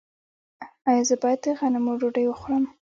ایا زه باید د غنمو ډوډۍ وخورم؟